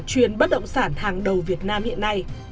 chuyên bất động sản hàng đầu việt nam hiện nay